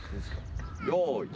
用意。